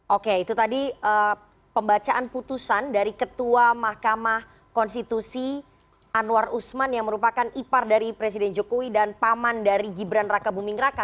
oke itu tadi pembacaan putusan dari ketua mahkamah konstitusi anwar usman yang merupakan ipar dari presiden jokowi dan paman dari gibran raka buming raka